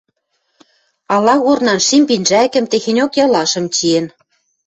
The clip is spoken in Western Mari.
Ала корнан шим пинжӓкӹм, техеньок ялашым чиэн.